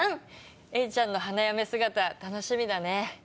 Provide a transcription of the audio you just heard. エリちゃんの花嫁姿楽しみだね。